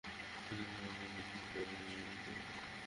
দরকার হলে ইডেনের পিচ খুঁড়ে খেলার জন্য অনুপযুক্ত করে ফেলা হবে।